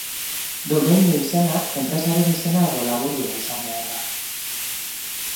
Domeinu izenak enpresaren izena edo laburdura izan behar da.